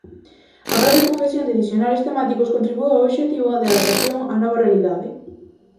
A propia confección de dicionarios temáticos contribúe ao obxectivo de adaptación á nova realidade.